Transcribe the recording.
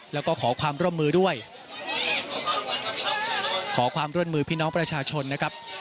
แล้วก็ขอความร่วมมือด้วยขอความร่วมมือพี่น้องประชาชนนะครับ